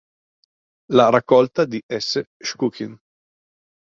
La raccolta di S. Ščukin.